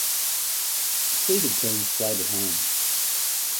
Seeded teams played at home.